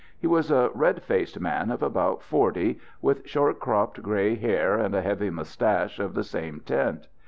He was a red faced man of about forty, with short cropped grey hair and a heavy moustache of the same tint.